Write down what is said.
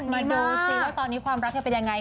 นี่ดูสิว่าตอนนี้ความรักเธอเป็นยังไง